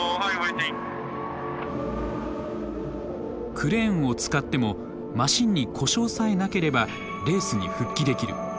クレーンを使ってもマシンに故障さえなければレースに復帰できる。